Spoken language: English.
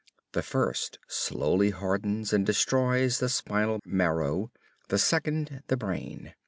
The first slowly hardens and destroys the spinal marrow, the second the brain.